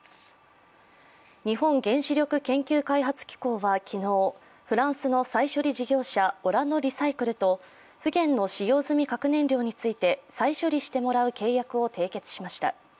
日本原子力研究開発機構は昨日、フランスの再処理事業者オラノ・リサイクルとふげんの使用済み核燃料について再処理してもらう契約を締結しました。